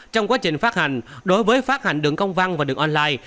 trong quá trình phát hành đối với phát hành đường công văn và đường online